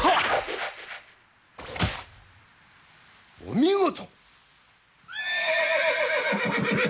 お見事！